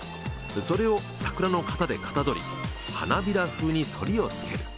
それを桜の型でかたどり花びら風に反りをつける。